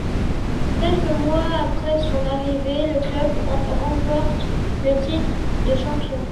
Quelques mois après son arrivée, le club remporte le titre de champion.